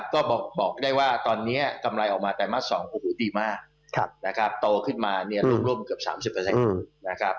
ก็บอกได้ว่าตอนนี้กำไรออกมาแต่มาส๒โอ้โหดีมากโตขึ้นมาร่วมเกือบ๓๐นะครับ